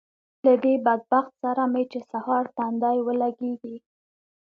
له دې بدبخت سره مې چې سهار تندی ولګېږي